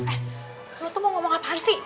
eh lu tuh mau ngomong apaan sih